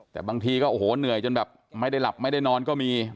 แต่บางทีก็โอ้โหเหนื่อยจนแบบไม่ได้หลับไม่ได้นอนก็มี